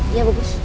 iya bu bus